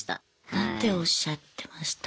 何ておっしゃってました？